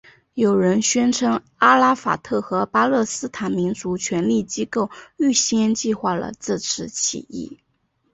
有人宣称阿拉法特和巴勒斯坦民族权力机构预先计划了这次起义。